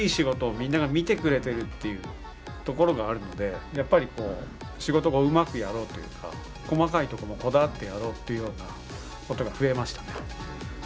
っていうところがあるのでやっぱり仕事をうまくやろうというか細かいところもこだわってやろうというようなことが増えましたね。